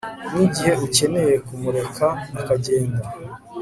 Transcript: nigihe ukeneye kumureka akagenda